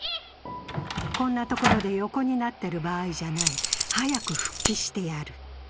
「こんなところで横になってる場合じゃない、早く復帰してやる」。